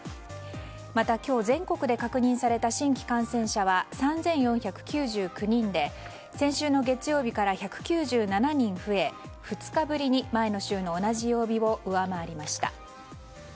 また今日全国で確認された新規感染者は３４９９人で先週の月曜日から１９７人増え２日ぶりに前の週の同じ曜日を上回りました。